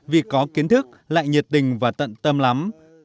vì có kiến thức lại nhiệt tình và tận tâm lắm